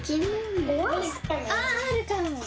ああるかも！